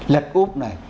lật úp này